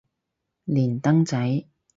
連登仔